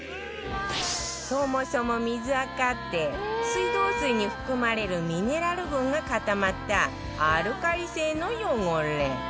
そもそも水アカって水道水に含まれるミネラル分が固まったアルカリ性の汚れ